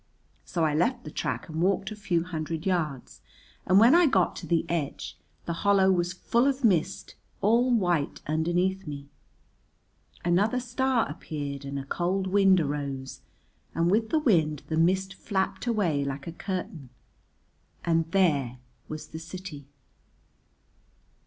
So I left the track and walked a few hundred yards, and when I got to the edge the hollow was full of mist all white underneath me. Another star appeared and a cold wind arose, and with the wind the mist flapped away like a curtain. And there was the city.